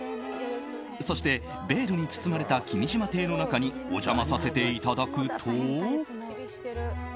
そして、ベールに包まれた君島邸の中にお邪魔させていただくと。